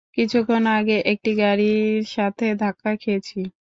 কিছুক্ষণ আগে একটি গাড়ীর সাথে ধাক্কা খেয়েছি।